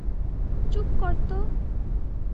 চুপ কর তো।